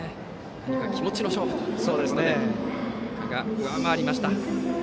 何か気持ちの勝負ということで岡が上回りました。